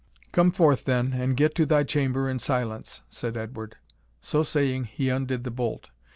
"Come forth then, and get to thy chamber in silence," said Edward. So saying, he undid the bolt.